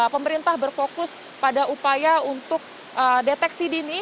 pemerintah berfokus pada upaya untuk deteksi dini